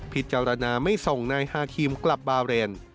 พิจารณาไม่ส่งนายฮาครีมกลับบาเรน